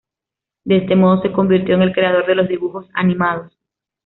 De este modo se convirtió en el creador de los dibujos animados.